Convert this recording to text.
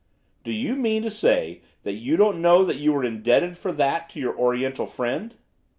'Do you mean to say that you don't know that you were indebted for that to your Oriental friend?